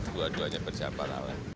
dua duanya berjalan paralel